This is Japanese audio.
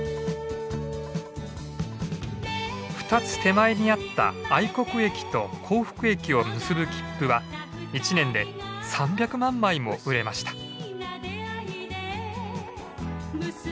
２つ手前にあった愛国駅と幸福駅を結ぶ切符は１年で３００万枚も売れました。